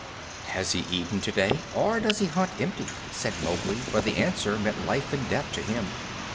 "Has he eaten today, or does he hunt empty?" said Mowgli, for the answer meant life and death to him.